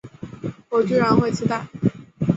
我居然会期待